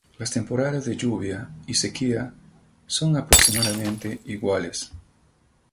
Las temporadas de lluvia y sequía son aproximadamente iguales.